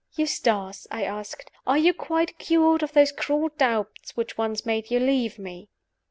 "Eustace," I asked, "are you quite cured of those cruel doubts which once made you leave me?"